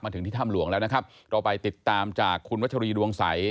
ถึงที่ถ้ำหลวงแล้วนะครับเราไปติดตามจากคุณวัชรีดวงใส